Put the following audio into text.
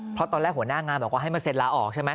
เพราะตอนแรกหัวหน้างานบอกว่าให้มาเซ็นลาออกใช่ไหม